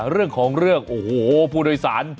เรื่องของเรื่องโอ้โหผู้โดยสาร